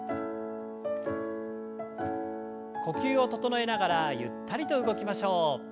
呼吸を整えながらゆったりと動きましょう。